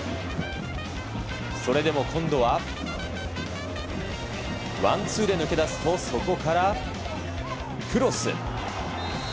それでも今度はワンツーで抜け出すとそこからクロス。